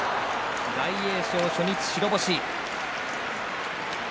大栄翔、初日白星。